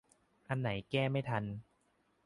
อันไหนแก้ไม่ทัน